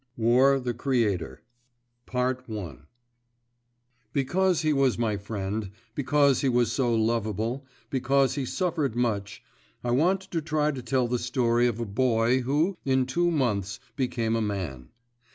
WAR THE CREATOR I Because he was my friend, because he was so lovable, because he suffered much, I want to try to tell the story of a boy who, in two months, became a man.